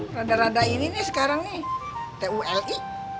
rada rada ini nih sekarang nih t u l i